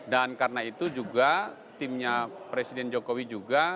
dan karena itu juga timnya presiden jokowi juga